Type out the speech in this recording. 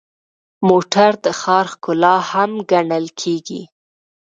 موټر د ښار ښکلا هم ګڼل کېږي.